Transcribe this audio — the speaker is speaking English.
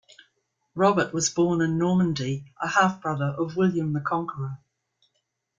Robert was born in Normandy, a half-brother of William the Conqueror.